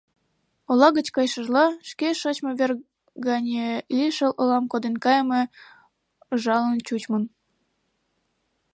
Ола гыч кайышыжла, шке шочмо вер гане лишыл олам коден кайыме ыжалын чучмын.